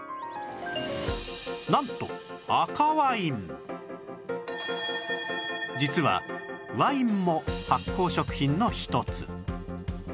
なんと実はワインも発酵食品の一つ